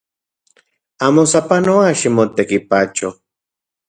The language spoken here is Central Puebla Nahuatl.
Amo sapanoa ximotekipacho